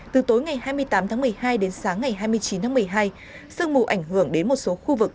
từ tối ngày hai mươi tám tháng một mươi hai đến sáng ngày hai mươi chín tháng một mươi hai sương mù ảnh hưởng đến một số khu vực